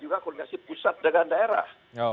juga koordinasi pusat dengan daerah